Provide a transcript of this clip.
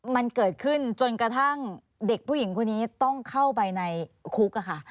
มันเกิดขึ้นจนกระทั่งเด็กผู้หญิงคนนี้ต้องเข้าไปในคุกค่ะ